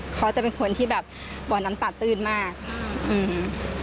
เขาจะเป็นคนที่แบบบ่อน้ำตาตื้นมากอืม